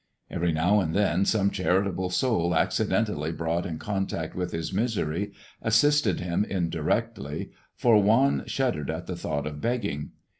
Every now and then some charitable soul, accidentally brought in contact with his misery, assisted him indirectly, for Juan shuddered at the thought of begging.